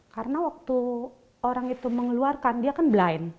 karena waktu orang itu mengeluarkan dia kan blind